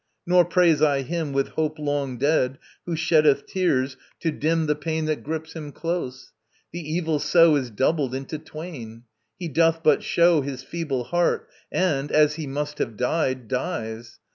Nor praise I him, With hope long dead, who sheddeth tears to dim The pain that grips him close. The evil so Is doubled into twain. He doth but show His feeble heart, and, as he must have died, Dies.